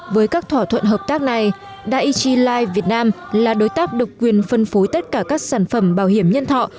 với các thỏa thuận hợp tác này daegi life việt nam là đối tác độc quyền phân phối tất cả các sản phẩm bảo hiểm nhân thọ